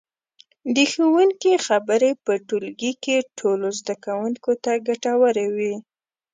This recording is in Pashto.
د ښوونکي خبرې په ټولګي کې ټولو زده کوونکو ته ګټورې وي.